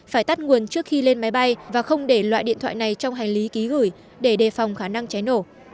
phải tắt nguồn trước khi lên máy bay và không để loại điện thoại này trong hành lý ký gửi để đề phòng khả năng cháy nổ